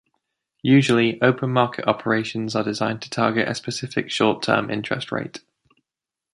Usually, open market operations are designed to target a specific short-term interest rate.